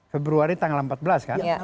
februari tanggal empat belas kan